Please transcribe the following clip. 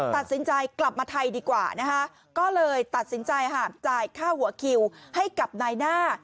ตัดสินใจกลับมาไทยดีกว่านะคะก็เลยตัดสินใจค่ะจ่ายค่าหัวคิวให้กับนายหน้า